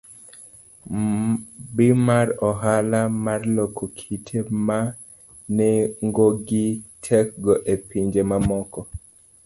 B. mar Ohala mar loko kite ma nengogi tekgo e pinje mamoko,